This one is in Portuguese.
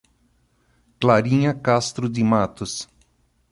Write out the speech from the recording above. Clarinha Castro de Matos